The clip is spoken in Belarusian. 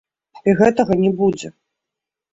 І гэтага не будзе!